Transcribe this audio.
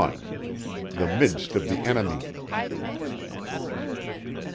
THE MIDST OF THE ENEMY.